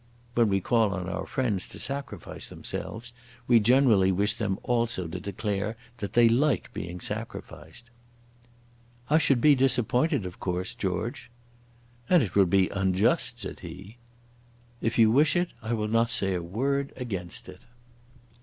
When we call on our friends to sacrifice themselves, we generally wish them also to declare that they like being sacrificed. "I should be disappointed of course, George." "And it would be unjust," said he. "If you wish it I will not say a word against it."